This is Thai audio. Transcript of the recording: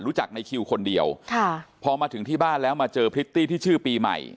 ในคิวคนเดียวค่ะพอมาถึงที่บ้านแล้วมาเจอพริตตี้ที่ชื่อปีใหม่